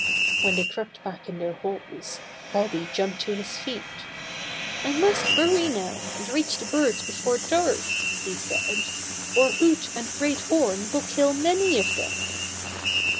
When they crept back in their holes, Bobby jumped to his feet. "I must hurry now, and reach the birds before dark," he said, "or Hoot and Great Horn will kill many of them."